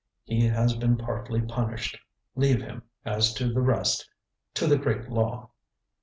He has been partly punished. Leave him, as to the rest, to the Great Law."